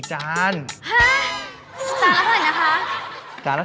จานจานละเท่าไหร่นะคะ